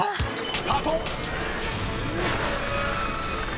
スタート！］